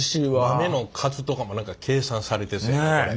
豆の数とかも何か計算されてそうやこれ。